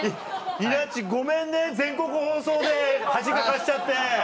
いなっちごめんね全国放送で恥かかせちゃって。